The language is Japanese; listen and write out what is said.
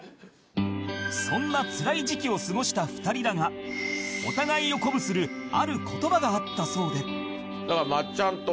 そんなつらい時期を過ごした２人だがお互いを鼓舞するある言葉があったそうで